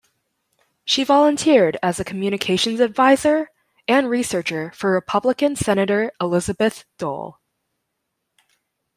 She volunteered as a communications adviser and researcher for Republican Senator Elizabeth Dole.